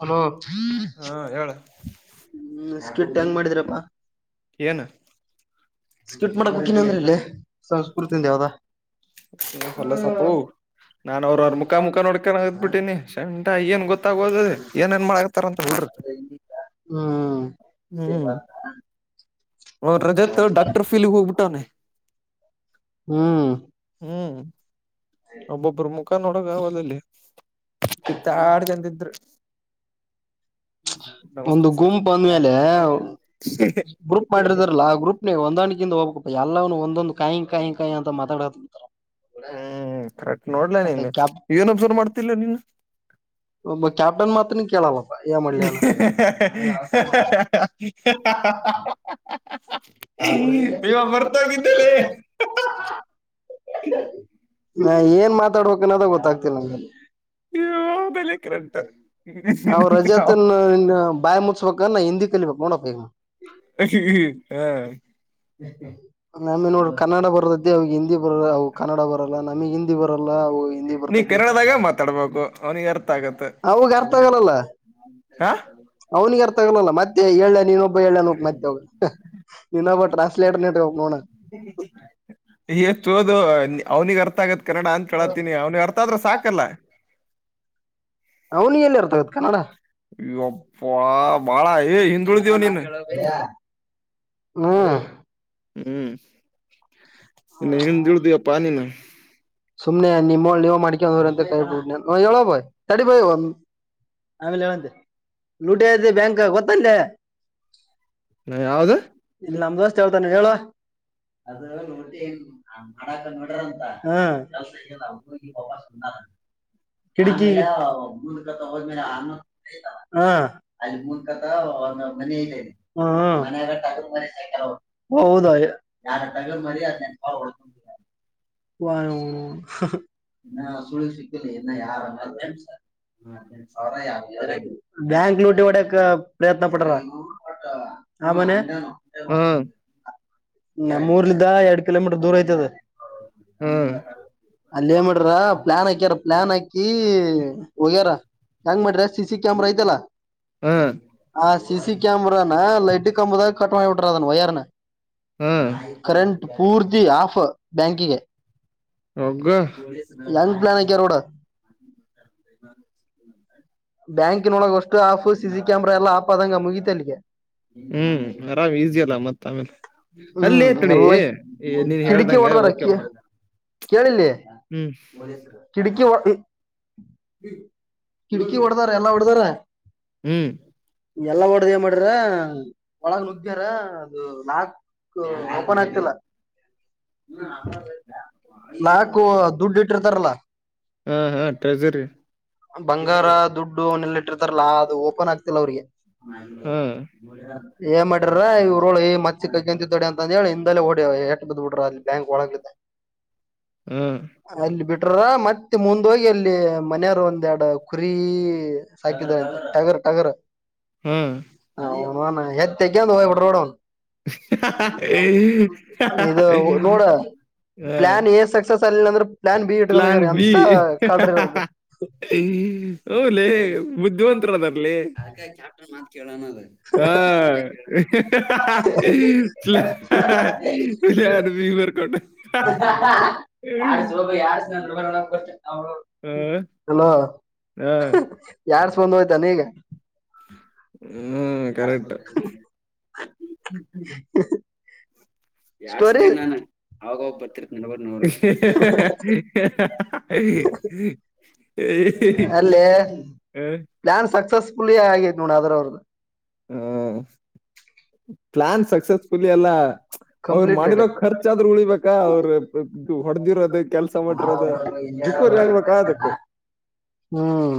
Hello ಹ್ಮಟ್ಟ ಹಾ ಹೇಳ ಹೆಂಗ್ ಮಾಡಿದ್ರಪ್ಪಾ ಏನ್ ಸ್ಕಿಪ್ಟ್ ಮಾಡಕ್ ಕುಕಿನ ಅಂದ್ರೆ ಇಲ್ಲಿ ಸಂಸ್ಕತಿಯಿಂದ ಯಾವ್ದಾ ಹೊಲಸಪ್ಪು ನಾನ್ ಅವ್ರರ ಮುಖ ಮುಖ ನೋಡ್ಕ ಹಗತ್ ಬಿಟ್ಟೀನಿ ಶ ಏನ್ ಗೊತ್ತಾಗೋದ ಏನ್ ನ್ ಮಾಡ ರಂತ ಮಾಡ ಹ್ಮ್ ಹ್ಮ್ [unintelligible] ಅವ ರಜಾತ್ ಡಾಕ್ಟರ್ ಫೀಲಿ ಹೋಗ್ಬಿಟ್ಟವನನೆ ಹ್ಮ್ ಹ್ಮ್ ಒಬ್ಬೊಬ್ಬ್ರ ಮುಖ ನೋಡಗ ಅವಲ್ಲಲ್ಲಿ ಇತ್ತ ಆಡ್ ಜಂದ ಇದ್ರ ಒಂದು ಗುಂಪು ಅಂದ್ಮೇಲೆ ಗ್ರೂಪ್ ಮಾಡಿರ್ದಾರಲ್ಲ ಆ ಗ್ರೂಪ್ ನ ಒಂದಾಣಕ ಹೋಗಬೇಕಪ್ಪ ಎಲ್ಲಾನೂ ಒಂದೊಂದು ಕಾಯಿ ಕಾಯಿ ಕಾಯಿ ಅಂತ ಮಾತಾಡ ಹ್ಮ್ ಕರೆಕ್ಟ್ ನೋಡ್ಲ ನೀನ್ ಇವನೊಬ್ಸರು ಮಾಡ್ತಿಲ್ಲ ನೀನು ಮ ಕ್ಯಾಪ್ಟನ್ ಮಾತ್ರ ಕೇಳಲ್ಲ ಯ ಮ ಹಾ ಹ [unintelligible] ಇವ ಮರ್ತೋಗಿದ್ದಲೆ ನಾ ಏನ್ ಮಾತಾಡ್ಬೇಕನ್ನದ ಗೊತ್ತಾಗ್ತಿಲ್ಲ ನಮ್ಗೆ ಹೌದಲೆ ಕರೆಕ್ಟ್ ಅವ ಹಾ ರಜಾತನ್ ಬಾಯ್ ಮುಚ್ಸ್ಕಕಾನ ಹಿಂದಿ ೋಾ [unintelligible] ಹಾ ನಾಮೇ ನೋಡ್ರಿ ಕನ್ನಡ ಬರದ್ದೇ ಅವ ಹಿಂದಿ ಬರದ ಕನ್ನಡ ಬರಲ್ಲ ನಮಗ್ ಹಿಂದಿ ಬರಲ್ಲ ಅ ಹಿಂದಿ ನೀ ಬರ್ತಕ್ಕೆ ಕನ್ನಡದಾಗ ಮಾತಾಡ್ಬೇಕು ಅವನಿಗೆ ಅರ್ಥ ಆಗತ್ತೆ ಹವು ಗಾರ್ತಗಲ್ಲಲ್ಲ ಹ ಅವ್ನಿಗೆ ಅರ್ಥ ಆಗಲಲ್ಲ ಮತ್ತೆ ಎಳ್ಳೆ ನೀನಬ್ಬ ಎಳ್ಳ ಮತ್ತೆ ಹೋಗ ನೀನಬ್ಬ ಟ್ರಾ ಲೇಟನೋಗ ನೋಣ ಹದು ಅವ್ನಿಗೆ ಅರ್ಥ ಆಗತ್ ಕನ್ನಡ ಅಂತ ಹೇಳತೀನಿ ಅವ್ನಿಗೆ ಅರ್ಥ ಆದ್ರ ಸಾಕಲ್ಲ ಅವನಿ ಎಲ್ಲಿ ಇರ್ತಗತ್ ಕನ್ನಡ ಇ ಒಪ್ಪ ಬಳ ಹಿಂಡೂಳ ದವ ನೀ ಹ್ಮ ಹ್ಮ್ ಇ ಹ ಿಡ್ದ ಪಾನಿ [unintelligible] ನ ಸುಮ್ನೆ ನಿಮ್ಮಳ ನೀವ ಮಾಡ್ಕೊಂಡಂದ್ರ ಅಂತ ಕಬ ಹೇಳ ಬಯ್ ತಡಿ ಬಯ ಆಮೇಲೆ ಹೇಳಂತೆ ಲೂಟ ಬ್ಯಾಂಕ್ ಗೊತ್ತಲ್ಲೆ ಯಾವ್ದ ಇಲ್ಲಿ ನಮ ದೋಸ್ತ್ ಹೇಳ್ತಾನೆ ಹೇಳ ಅದ ಹೇಳ ಒಟ್ಟಿ ಮಾಡಾಕ ನೋಡಾರಂತ ಕ ಕಿಡಕಿ ಮುಂದಕ ಅನ್ನ ಅಲ್ಲಿ ಮುನ್ಕ ಮನ ಇಲ್ಲ ಮ ಹೌದ ಯಾರಟ ಮರಿ ಅದ್ ನಂ [unintelligible] ವಾರ ನಾ ಸುಳಿ ಸಿಕ್ಕಿಲ್ಲನ್ನ ಯಾರ [unintelligible] ಬ್ಯಾಂಕ್ ಲೂಟಿ ಒಡಕ ಪ್ರಯತ್ನ ಪಟ್ರ ಆ ಮನೆ ಹಾ ನ ಮೂರ್ಲಿಂದ ಎರಡ್ ಕಿಲೋಮೀಟರ್ ದೂರ ಐ್ತದ ಹ್ಮ [inaudible] ಅಲ್ಲೇಏನ್ ಮಾಡ್ರ ಪ್ಲಾನ್ ಹಾಕ್ಯಾರ ಪ್ಲಾನ್ ಹಾಕಿ ಹೋಗ್ಯಾರ ಹೆಂಗ ಮಾಡ್ರ ಸ ಕ್ಯಾಮ್ರಾ ಐತಲ್ಲ ಹಾ ಕ್ಯಾಮಾ ಾನ ಲೈಟ್ ಕಂಬುುದಾ ಕಟ ಮಾಡಿ ಬಿಡ್ರಾನ ಒಯಾರನ ಹಾ ಕರೆಂಟ್ ಪೂರ್ತಿ ಆಫ್ ಬ್ಯಾಂಕಿಗೆ ಹಗ್ಗ ಹ [unintelligible] ಬ್ಯಾಂಕ್ ನೋಡಗ ಅಷ್ಟು ಆಫ್ ಸಿಿಸಿ ಕ್ಯಾಮರಾ ಎಲ್ಲಾ ಆಪ್ ಆದಂಗ ಮುಗೀಿತ ಅನಗೆ ಹ್ಮ್ ಆರಾಮ್ ಈಸಿ ಅಲ್ಲ ಮತ್ತ ಆಮೇಲೆ ಹ್ಮ್ ಅಲ್ಲತಡಿ ಎಲ್ಲಾ ನೀನ್ ಹೇಳ್ದಂಗ ಓಕೆಪ್ಪ ಕೇಳಿಲ್ಲೇ ಕಿಡುಕಿ ಕಿಟಕಿ ಹೊಡದಾರ ಎಲ್ಲಾ ಹೊಡದಾರ ಹ್ಮ್ ಎಲ್ಲಾ ಹೊಡ್ದ ಮಾಡ್ರ ಒಳಗ್ ನುಗ್ರ ಅದು ನಾಕ್ ಓಪನ್ ಆಗ್ತಿಲ್ಲ ನಾಕು ದುಡ್ ಲಿಟರ್ತಾರಲ್ಲ ಹಾ ಹಾ ಟ್ರೆಸರಿ ಬಂಗಾರ ದುಡ್ಡು ಅವನ ಎಲ್ಲಿ ಇಟ್ಟಿರ್ತಾರಲ್ಲಾ ಅದು ಓಪನ್ ಆಗ್ತಿಲ್ಲ ಅವ್ರಿಗೆ ಮಗಲ ಹಾ ಗ ಏ ಮಾಡಿರ್ರ ಇವ್ರಳ ಈ ಮತ್ತಿ ಕಗಂತಿದೋಡಿ ಅಂತ ಅಂದ ಹೇಳಿ ಹಿಂದೆ ಹೊಡಿ ಹೇಕ್ ಬ್ ಬಿಡ್ರ ಅಲ್ಲಿ ಬ್ಯಾಂಕ್ ಒಳಾಗತೆ ಹಾ ಅಲ್ಲಿ ಬಿಟ್ರ್ರ ಮತ್ತೆ ಮುಂದ ಹೋಗಿ ಅಲ್ಲಿ ಮನೆಯವರು ಒ ್ಯಾಡ ಕುರಿ ಸಾಕಿದ್ದಾರೆ ಟಗರ್ ಟಗರ್ ಹಾ ಹಾನ ಹೆತ್ತಗ ಹೋಗ್ಬಿಡ್ರ ನೋಡೋನ್ ಇದು ನೋಡ ಹಾ ಪ್ಲಾನ್ ಏನ್ ಸಸಸ್ ಆಗ್ಿಲ್ಲ ಅಂದ್ರ ಪ್ಲಾನ್ ಬಿ ಇವ್ರದು ಹಲ ಬುದ್ಧಿವಂತರ ಅದರಲ್ಲಿದ ಮಾ ಕೇಳಣದ ಹಾ ಇಲೆ ಆರ್ಮ ಮಾಡಕೊಂಡು ಹ್ಮ ಹಲ ಹಾ ಯಾರ್ ಹೋಯ್ತಾ ನೀಗೆ ಹ್ಮ್ ಕರೆಕ್ಟ್ ಸ್ಟೋರಿ ಯಡ್ಸ್ದಂಗ ನಾನ್ ಅವಾಗೋಗ್ ಬರ್ತಿರ್ ನಡ [unintelligible] ಅಲ್ಲೇ ಪ್ಲಾನ್ ಸಕ್ಸಸ್ಫುಲ್ ಆಗ ನೋಡ ಅದ್ರ ಅವ್ರ್ದ ಹ್ಮ ಪ್ಲಾನ್ ಸಕ್ಸಸ್ಫುಲಿ ಅಲ್ಲ ಅವ್ರ ಕಂಪ್ಲೀಟೆಡ್ ಮಾಡಿರೋ ಖರ್ಚಾದ್ರೂ ಉಳಿಬೇಕಾ ಅವ್ರ ಇದು ಹೊಡೆದಿರೋದು ಕೆಲ್ಸ ಮಾಡಿರೋದು ರಿಕವರಿ ಆಗ್ಬೇಕ ಆದಕ್ ಹ್ಮ್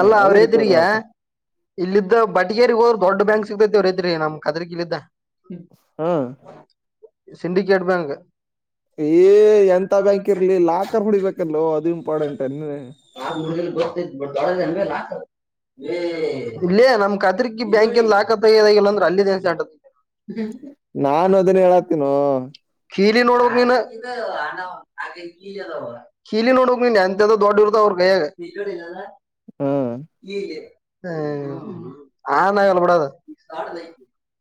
ಅಲ್ಲ ಅದು ರಿಕವರಿ ಅವ್ರೇದ್ರಗ ಮಾಡ್ಕ ಇಲ್ಲಿದ್ದ ಬಟಗೇರಿ ಹ ದೊಡ್ಡ ಬ್ಯಾಂಕ್ ಸಿಗ್ತೈವ್ರೈತ್ರಿ ನಮ್ ಕಾದ್ರಗಿಲ್ದ ಹಾ ಸಿಂಡಿಕೇಟ್ ಬ್ಯಾಂಕ್ ಏ ಎಂತ ಬ್ಯಾಂಕ್ ಇರ್ಲಿ ಲಾಕರ್ ಹೊುಡಿಬೇಕಲ್ವ ಅದು ಇಂಪಾರ್ಟೆಂಟ್ ಅಲ್ಲ ನಾ ಬ ದಡೇಾತ ಇಲ್ಲೇ ನಮ್ ಖಾತ್ರಿಕಿ ಬ್ಯಾಂಕಲ್ ದಾಖ ತಗದ ಇಲ್ಲ ಅಂದ್ರೆ ಅಲ್ಲಿ ದನ್ಸ ಆಂಟತಿ ನಾನು ಅದನ್ನ ಹೇಳಾತೀಿನ ಕೀಲಿ ನೋಡ ನೀನು ಕೀಲಿ ನೋಡ ಮೆಯ ಅಂತ ದೊಡ್ಡೂರುದ ಅವ ಗಾಗ ಹ ಹ್ಮ ಆ ನ ಎಲ್ಲ ಬಡದ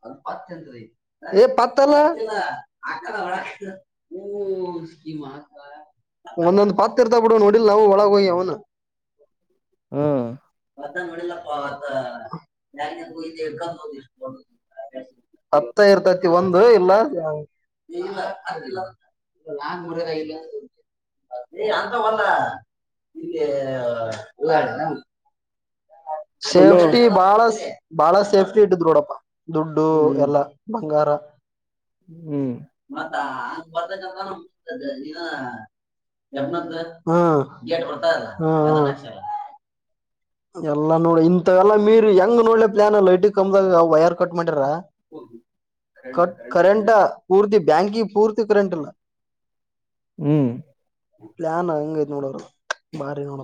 ಅದು ಪಂತ ಅೇ ಪತಲ್ಲ ಇಲ್ಲ ಒಂದೊಂದ್ ಪತ್ ಇರ್ತ ಬಿಡು ನೋಡಿ. ನವು ವಳಾಗ ಅವನ. ಹಾ ಅತ್ತ ನಡಲ್ಲ ಅಪ್ಪ ಅದ [unintelligible] ಹತ್ತ ಇರ್ತತಿ ಒಂದು ಇಲ್ಲ. ಇಲ್ಲ ಅಲ್ಲಲ್ಲ ನಾನು ಒರ ರಾಗಿ ಇಲ್ಲ. ಏ ಅಂತವಲ್ಲ ಇ ಉದಾಹರಣ. ಹಲೋ ಸೇಫ್ಟಿ ಬಹಳ ಬಾಳ ಸೇಫ್ಟಿ ಇಟ್ಟಿದೋಡಪ್ಪ. ದುಡ್ಡು ಹ್ಮ್ ಎಲ್ಲಾ ಬಂಗಾರ. ಹ್ಮ್ ಮತ್ತ ಹಂಗ ಬರ್ದ ನ ಇನ್ನ ನ್ದ ಹದ ಗೇಟ್ ಕೊಡ್ತ ಹಾ ಹಾ. ಎಲ್ಲ ನೋಡಿ ಇಂಥ ಎಲ್ಲ ಮೀರ್ ಹೆಂಗ ನೋಡ್ಲಿ. ಏಾನ ಲೈಟ್ ಕಮ್ದಾಗ ವೈರ್ ಕಟ್ ಮಾಡಿರ. ಕರೆಂಟ್ ಪೂರ್ತಿ ಬ್ಯಾಂಕಿ ಪೂರ್ತಿ ಕರೆಂಟ್ಲ್ಲ. ಹ್ಮ್ ಪ್ಲಾನ್ ಹಂಗಐತ್ ನೋಡೋರು ಬಾರಿ ನೋಡ.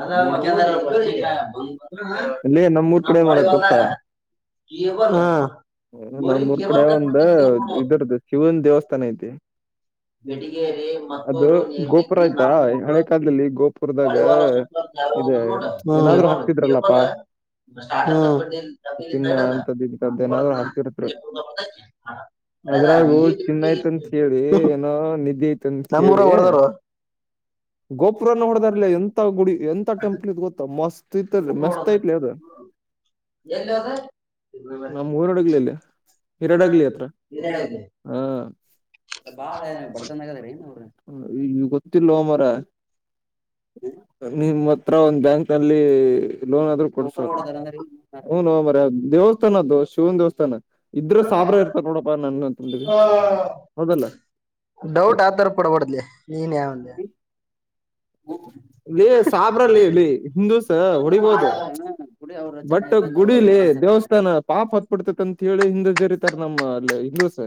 ಅದ ಬಂದ ಬ ಇಲ್ಲಿ ನಮ್ಮೂರ್ ಕಡೆ ಏನ್ ನಮಳಿ ಮಾಡಾರ್ ಗೊತ್ತಾ ಬಂದದಾಗ [unintelligible] ಇೋಗನು ಹಾ ನಮ್ಮ್ೂರ್ ಕಡೆ ಒಂದ ಇದರದ್ದ ಶಿವನ್ ದೇವಸ್ಥಾನ ಐತಿ. [unintelligible] ಬೆಟಿಗೇರಿ ಅದು ಮತ್ತೂರು ನೀರ್ಲಿ ಗೋಪುರ ಆಯ್ತಾ ಹಳೆ ಕಾಲದಲ್ಲಿ ಗೋಪುರದಾಗ ನಲ್ಳಿವಾಲ ಸುತ್ತ. ಹೌ ಇದೆ ನೋಡ ಏನಾದ್ರು ಕಲ್ಲ ಹಾಕ್ತಿದ್ರಲ್ಲಪ್ಪಾ ಚಿನ್ನ ಅಂತದ್ ಇಂತದ್ ಏನಾದ್ರು [unintelligible] ಹ ಹಾಕ್ತಿರ್ತ್ರು ಅ [unintelligible] ನಧೆ ಐತ ಅಂತ ಕೇಳಿ ಗೋಪುರನ ಹೊಡದಾರಲ ಎಂತ ಗುಡಿ. ಎಂತ ಟೆಂಪ್ಲ್ ಇ ಗೊತ್ತಾ ಮಸ್ತ್ ಮಸ್ತ್ ಐತ್ಲಿ ಅದು. ನಮ್ ಊರೊಡುಗ್ಲಲ್ಲ. ಹಿರಾಡ ಆಗ್ಲಿ ಹತ್ರ ಹ ಬಾ ಬಡತನ್ ಆ ಹ ಈ ಗೊತ್ತಿಲ್ಲವಾ ಮರಯ. ನಿಮ್ಮ್ ಹತ್ರ ಒಂದ್ ಬ್ಯಾಂಕ್ ನಲ್ಲಿ ಲೋನ್ ಆದ್ರ ಕೊಡ್ ಹ್ ಹೌದುದು ಮಾರಾಯ ದೇವಸ್ಥಾನದ್ದು ಶಿವನ್ ದೇವಸ್ಥಾನ. ಇದ್ರ ಸಾಬ್ರ ಇರ್ತ ನೋಡಪ್ಪ ನನ್ನ ತಿಗೆ ಹೌದಲ್ಲ. ಡೌಟ್ ಆತರ ಪಡ್ಬುದ್ಲಿ ನೀನ್ ಯಾವನ್ ಲ ಸಾಬ್ರಲ್ಲಿ ಇಲ್ಲಿ ಲಿ ಹಿಂದೂಸ ಹೊಡಿಬೋದು. ಬಟ್ ಗುಡಿೀಲಿ ದೇವಸ್ಥಾನ ಪಾಪ ಹತ್ಬಿಡ್ತತಿಂತ. ಕೇಳಿ ಹಿಂದೂ ಜರೀತಾರ ನಮ್ಮ್ ಅಲ್ಲ ಹಿಂದೂಸ.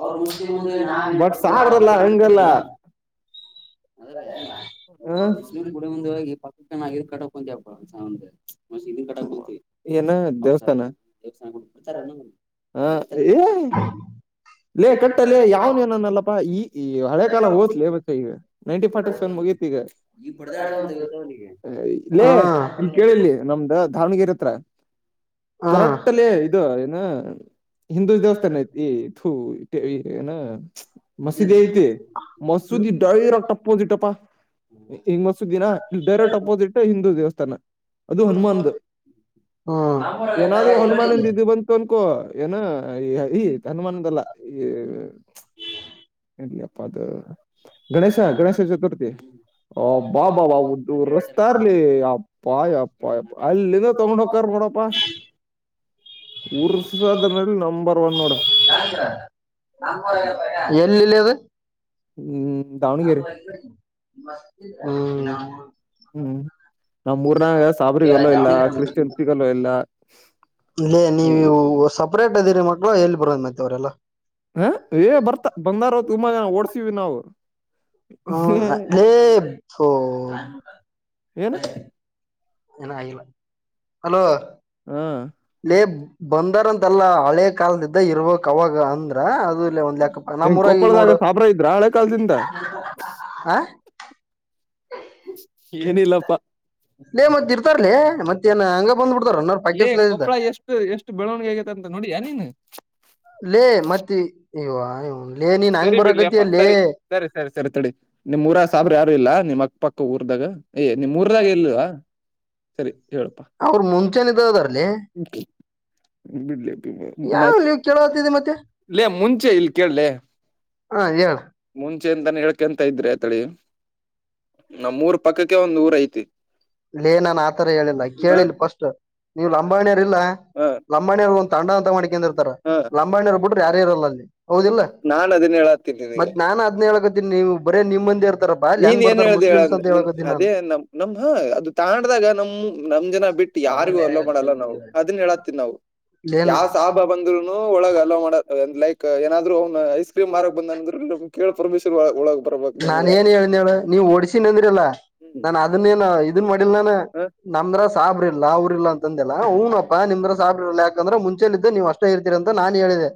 ಅವ್ರ ಮುಸ್ಲಿಂ ಮುಂದೆ ಬಟ್ ಸಾವ್ರಲ್ಲ ಅಂಗಲ್ಲ. ಅಲ್ಲ ಹ ಮುಸ್ ಕಡ ಮುಂದೆ ಹೋಗಿ. ನಾ ಇದ ಕಟ್ಟ ಕುಂತಿಂಪ ಇದನ್ ಕಟಂತವಿ ಏನು ದೇವಸ್ಥಾನ. ಹ ಹೇ ಲೇ ಕಟ್ಟಲೇ ಯಾವ್ನ ಏನನಲ್ಲಪ್ಪಾ ಈ ಹಳೆ ಕಾಲ ಓದ್ಲೇ ಬಟ್ ಈ ನೈನ್ಟಿನ್ ಫಾರ್ಟಿ ಸೆವೆನ್ ಮುಗೀತ್. [unintelligible] ಇಲ್ಲೇ ಹ್ಮ್ ಇಲ್ಲಿ ಕೇಳಲ್ಲಿ ನಮ್ದ. ದಾವಣಗೆರೆತ್ರ ಹ್ಮ್ ಕರೆಕ್ಟ್ ಲೆ ಇದು ಏನ. ಹಿಂದು ದೇವಸ್ಥಾನ ಐತಿ ಈತು ಏನ. ಮಸೀದಿ ಐತೆ ಮಸೂದಿ ಡೈರ ಟಪ್ಪ ಅಪೋಸಿಟ್ ಅಪ್ಪ. ಈಂಗ್ ಮಸುದಿನ ಇಲ್ಲಿ ಡೈರೆಕ್ಟ್ ಅಪೋಸಿಟ್ ಹಿಂದೂ ದೇವಸ್ಥಾನ ಅದು ಹನುಮಾನ್ದ. ಏನಾದ್ರರು ಹ್ಮ್ ಹನುಮಾನಂದಿದ್ದು ಇದು ಬಂತ ಅನ್ಕೋ ಏನ ಈ ಹನುಮಾನದಲ್ಲ. ಹೇ ಎಲ್ಲಿಅಪ್ಪ ಅದು ಗಣೇಶ ಗಣೇಶ ಚತುರ್ಥಿ. ಅಬ್ಬಬ್ಬಾ ಒ ರಸ್ತ ಅರ್ಲಿ ಅಪ್ಪಾ ಅಪ್ಪಾ ಅಲ್ಲಿಂದ ತಗೊಂಡ್ ಹೋಗ್ತಾರ್ ನೋಡು. ವಸ್ [inaudible] [inaudible] ಉರ್ಸೋದ್ರಲ್ಲಿ ನಂಬರ್ ಒನ್ ನೋಡ ಎಲ್ಲಿ ಲೆ ಅದ ಹ್ಮು ಹ್ಮ [inaudible] ಹ್ಮ್ ನಮ್ ಮೂರ್ನಾಗ ಸಾಬ್ರಿ ಹೊಲ ಇಲ್ಲ ಕ್ರಿಶ್ಯನ್ ಹಲೋ ಇಲ್ಲ ಇಲ್ಲೇ ನೀವು ಸಪ್ರೇಟ್ ಅದೀರಿ ಮಕ್ಕಳ ಎಲ್ಲಿ ಬರಂದಿ ಮತ್ತ ಅವರೆಲ್ಲ ಹ ಏ ಬರ್ತ ಬಂದಾರ ತುಮ್ಮ ಓಡಿಸಿವಿ ನಾವು ಹ್ಮ ಲೇು ಏನ [inaudible] ಏನ ಆಗಿಲ್ಲ ಹಲೋ ಹ ಲೇ ಬಂದಾರಂತೆಲ್ಲಾ ಹಳೆ ಕಾಲದೀದ್ದ ಇರ್ಬೇಕ್ ಅವಾಗ ಅಂದ್ರ ಅದು ಒಂದ್ ಲೆಕ್ಕಪ್ಪ ನಮ್ಮೂ ಹಿಂಗ್ ಊರಾಗಿ ಕೊಪ್ಪಳದಾಗ ನೋಡು ಸಾಬ್ರ ಇದ್ರ ಹಳೆ ಕಾಲದಿಂದ ಆ [inaudible] ಏನಿಲ್ಲಪ್ಪಾ ಲೆ ಮತ್ತ್ ಇರ್ತಾರ್ಲಿ ಮತ್ತೇನ್ ಹಂಗ ಬಂದ್ಬಿಡ್ ಇಲ್ಲೇ ಕೊಪ್ಪಳ ಎಷ್ಟು ಎಷ್ಟು ಬೆಳವಣಿಗೆ ಆಗೇತ ಅಂತ ನೋಡಿಯ ನೀನು ಲ್ಲೇ ಮತ್ತೆ ಇವ ಇ ಸರಿ ಬಿಡ್ಲಿ ಅಪ್ಪ ಸರಿ ಸರಿ ಸರಿ ಸರಿ ತಡಿ ನಿಮ್ಮೂರ ಸಾಬ್ರಾರಿಲ್ಲ ಯಾರು ಇಲ್ಲ ನಿಮ್ಮಕ್ ಪಕ್ಕ ಊರ್ದಾಗ ಎ ನಿಮ್ ಊರದಾಗ ಇಲ್ವಾ ಸರಿ ಹೇಳಪ್ಪಾ. ಅವರು ಮುಂಚೇನೆ ಇದಾದರ್ಲೇ ಬಿಡ್ಲಿ ಯಾವ ನೀವು ಕೇಳವತ್ತಿದಿ ಮತ್ತೆ ಲೇ ಮುಂಚೆ ಇಲ್ ಕೇಳಲೇ ಹ ಹೇಳ ಮುಂಚೆ ಇಂದಾನೆ ಹೇಳ್ಕಂತ ಇದ್ರೆ ತಡಿ ನಮ್ಮೂರ ಪಕ್ಕಕ್ಕೆ ಒಂದ್ ಊರ ಐತಿ ಇಲ್ಲೇ ನಾನನ್ ಆತರ ಹೇಳಿಲ್ಲ ಹ ಕೇಳಿಲ್ಲ ಫಸ್ಟ್ ನೀವ್ ಲಂಬಣಿಯರ್ ಇಲ್ಲ ಹ ಲಂಬಾಣಿಯವರು ಒಂದ್ ತಾಂಡ ಅಂತ ಮಾಡ್ಕೆಂಡ್ ಇರ್ತಾರ ಹ ಲಂಬಾಣಿಯವರು ಬಿಟ್ರೆ ಯಾರೇ ಇರಲ್ಲ ಅಲ್ಲಿ ಹೌದಿಲ್ಲ ನಾನ್ ಅದನ್ನ ಹೇಳತ್ತೀನಿ ನಿನಗೆ ಮತ್ತ್ ನಾನ್ ಅದ್ನ ಹಳ್ಕತೀನಿ ನೀವು ಬರೇ ನಿಮ್ಮಂದಿ ಇರ್ತ ನೀನ್ ಏನ್ ಹೇಳ್ದ ಹೇಳಂದ ನಿನ್ ನಾನು ಅದೇ ನಮ ನಮ್ ಹಾ [inaudible] ತಂಡ್ದಾಗ ನಮ್ ನಮ್ ಜನ ಬಿಟ್ಟು ಯಾರಿಗೂ ಹಲೋ ಮಾಡಲ್ಲ ನಾವು ಅದನ್ ಹೇಳಾತನ್ ನಾವು ಏನ್ ಯಾವ್ ಸಾಬಾ ಬಂದ್ರುನು ಒಳಗ ಹಲೋ ಮಾಡಲ್ಲ ಲೈಕ್ ಏನಾದ್ರು ಅವ್ನು ಐಸ್ ಕ್ರೀಮ್ ಮಾರಕ್ ಬಂದ್ರ ಕೇಳಳ್ ಪರಮ್ ಒಳಗ್ ಬರ್ಬಬೇಕಕ್ಮ್ಊರ [unintelligible] ನೀವು ಓಡಿಸಿನ್ಅಂದ್ರಲ್ಲಾ ನಾನ್ ಅದನ್ನ ಏನ ಇದನ್ ಮಾಡ ಹ ನಮ್ರ ಸಾಬ್ರ ಇಲ್ಲ ಅವ್ರ ಇಲ್ಲ ಅಂತ ಅಂದಲ್ಲ ಅವನು ಬಾ ನಿಂದ್ರದಾ ಸಾಬ್ರೆಲ್ಲ ಯಾಕಂದ್ರೆ ಮುಂಚೆ ಇದ್ದ ನೀವ್ ಅಷ್ಟೇ ಇರ್ತೀರಿ ಅಂತ ನಾನ್ ಹೇಳಿದೆ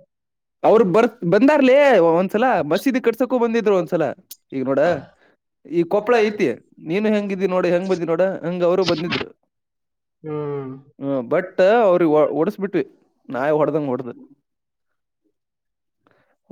ಅವರು ಬರ್ ಬಂದಾರ್ಲೇ ಒಂದ್ಸಲ ಮಸೀದಿ ಕಟ್ಸಕೂ ಬಂದಿದ್ರು ಒಂದ್ಸಲ ಈಗ ನೋಡ ಈ ಕೊಪ್ಪಳ ಐತಿ ನೀನು ಹೆಂಗಿದ್ದಿ ನೋಡ ಹೆಂಗ್ ಬಂದಿ ನೋಡ ಹೆಂಗ ಅವರುೂ ಬಂದಿದ್ರು ಹ್ಮ್ ಹ್ಮ ಬಟ್ ಅವ್ರಿಗೆ ಹೊಡಸ್ಬಿಟ್ವಿ ನಾವ ಹೊಡ್ದಂಗ ಹೊಡ್ದ [unintelligible]